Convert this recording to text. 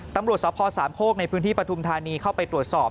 ตำรวจสภสามโคกในพื้นที่ปฐุมธานีเข้าไปตรวจสอบ